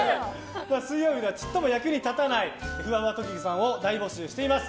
水曜日では、ちっとも役に立たないふわふわ特技さんを大募集しています。